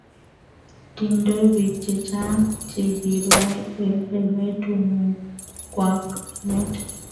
tingdoi biik che chang' che kirwai eng' emetunwekwak emet